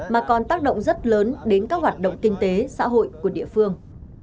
mà còn tác động rất lớn đến các hoạt động kinh tế xã hội của địa phương